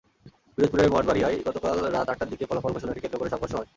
পিরোজপুরের মঠবাড়িয়ায় গতকাল রাত আটটার দিকে ফলাফল ঘোষণাকে কেন্দ্র করে সংঘর্ষ হয়।